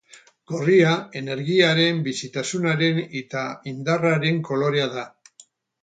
Gorria energiaren, bizitasunaren eta indarraren kolorea da.